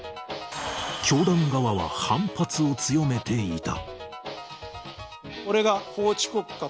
教団側は反発を強めていた。